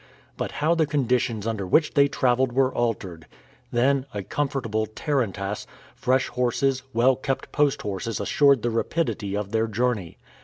But how the conditions under which they traveled were altered! Then, a comfortable tarantass, fresh horses, well kept post horses assured the rapidity of their journey.